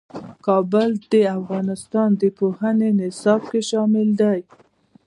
کابل د افغانستان د پوهنې نصاب کې شامل دي.